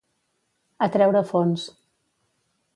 A treure fons.